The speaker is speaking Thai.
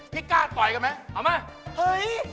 พี่กล้าต่อยกันไหมเอามาเฮ้ย